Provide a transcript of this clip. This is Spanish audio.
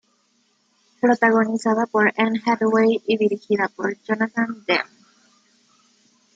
Protagonizada por Anne Hathaway y dirigida por Jonathan Demme.